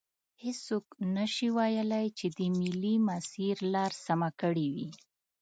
هیڅوک نشي ویلی چې د ملي مسیر لار سمه کړي وي.